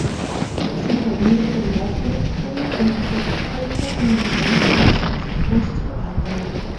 Sie verwendete Live-Elektronik und Effektgeräte, um den Sound ihres Saxophons zu erweitern.